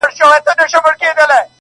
شاعره خداى دي زما ملگرى كه.